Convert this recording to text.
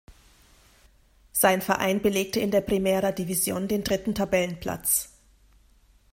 Sein Verein belegte in der Primera División den dritten Tabellenplatz.